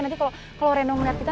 nanti kalau reno ngeliat kita maka